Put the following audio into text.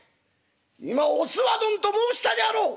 今『おすわどん』と申したであろう！」。